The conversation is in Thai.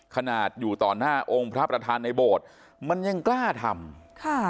ขนาดอยู่ต่อหน้าองค์พระประธานในโบสถ์มันยังกล้าทำค่ะ